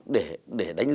để đánh lừa nạn nhân